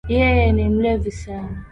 Yeye ni mlevi sana